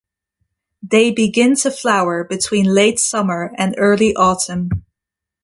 They begin to flower between late summer and early autumn.